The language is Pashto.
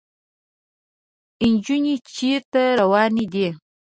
انجونې چېرته روانې دي ؟